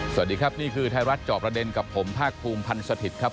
สวัสดีครับนี่คือไทยรัฐจอบประเด็นกับผมภาคภูมิพันธ์สถิตย์ครับ